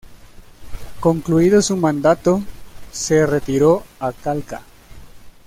Concluido su mandato, se retiró a Calca.